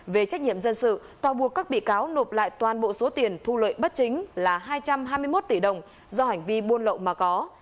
về trách nhiệm dân sự tòa buộc các bị cáo nộp lại toàn bộ số tiền thu lợi bất chính là hai trăm hai mươi một tỷ đồng do hành vi buôn lậu mà có